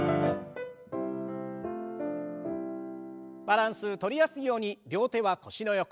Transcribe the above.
バランスとりやすいように両手は腰の横。